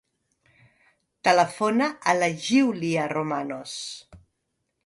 Telefona a la Giulia Romanos.